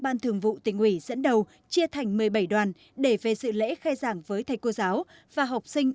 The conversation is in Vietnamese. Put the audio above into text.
ban thường vụ tỉnh ủy dẫn đầu chia thành một mươi bảy đoàn để về sự lễ khai giảng với thầy cô giáo và học sinh